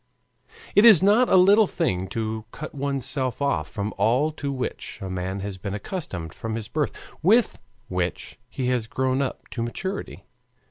"It is not a little thing to cut one's self off from all to which a man has been accustomed from his birth, with which he has grown up to maturity.